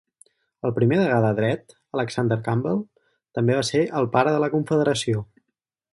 El primer degà de Dret, Alexander Campbell, també va ser el "pare de la Confederació".